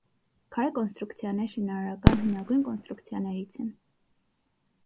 Քարե կոնստրուկցիաներ շինարարական հնագույն կոնստրուկցիաներից են։